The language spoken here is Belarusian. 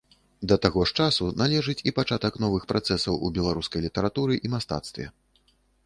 Да таго ж часу належыць і пачатак новых працэсаў у беларускай літаратуры і мастацтве.